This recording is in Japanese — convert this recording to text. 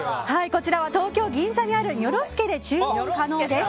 こちらは東京・銀座にあるにょろ助で注文可能です。